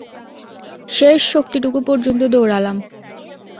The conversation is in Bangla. শেষ শক্তিটুকু পর্যন্ত দৌড়ালাম।